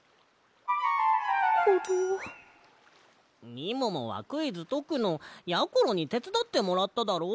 みももはクイズとくのやころにてつだってもらっただろ？